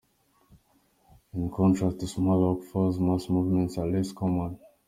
In contrast to small rock falls, mass movements are less common.